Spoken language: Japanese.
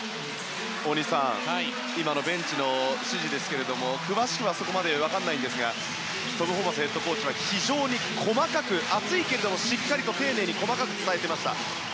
大西さんベンチの指示ですが詳しくはそこまで分からないんですがトム・ホーバスヘッドコーチは熱いけれどもしっかり丁寧に細かく伝えていました。